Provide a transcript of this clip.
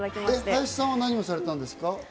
林さんは何をされたんですか？